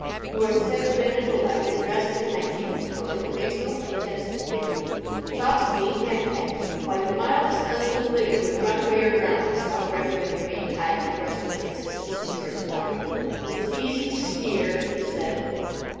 You are sent to bed at eleven, and dressed in hygienic clothing that makes no pretence to fit you. Talk of being hen pecked! Why, the mildest husband living would run away or drown himself, rather than remain tied for the rest of his existence to your stomach." "It is easy to sneer," he said.